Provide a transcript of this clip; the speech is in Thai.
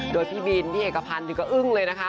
โดยพี่บินพี่เอกพันธ์ก็อึ้งเลยนะคะ